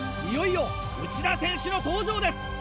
いよいよ内田選手の登場です！